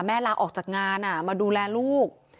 ลาออกจากงานมาดูแลลูก